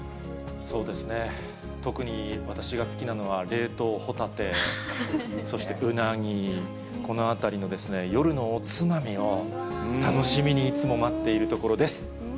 そうですね、特に私が好きなのは、冷凍ホタテ、そしてウナギ、このあたりのですね、夜のおつまみを楽しみにいつも待っているところです。